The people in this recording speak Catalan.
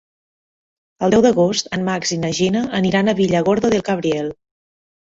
El deu d'agost en Max i na Gina aniran a Villargordo del Cabriel.